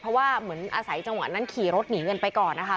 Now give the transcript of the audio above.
เพราะว่าเหมือนอาศัยจังหวะนั้นขี่รถหนีกันไปก่อนนะคะ